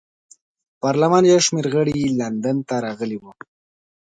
پارلمان یو شمېر غړي لندن ته راغلي وو.